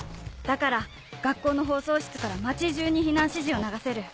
だから学校の放送室から町じゅうに避難指示を流せる。